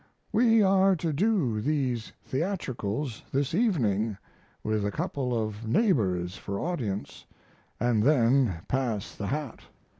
We are to do these theatricals this evening with a couple of neighbors for audience, and then pass the hat.